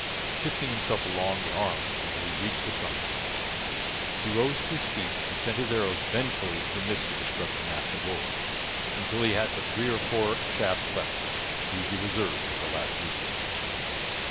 Shifting himself along the arm until he reached the trunk, he rose to his feet and sent his arrows vengefully into the midst of the struggling mass of wolves until he had but three or four shafts left. These he reserved as a last resource.